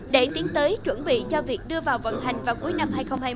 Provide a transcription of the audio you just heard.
để tiến tới chuẩn bị cho việc đưa vào vận hành vào cuối năm hai nghìn hai mươi